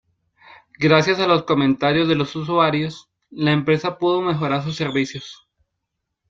Gracias a los comentarios de los usuarios, la empresa pudo mejorar sus servicios.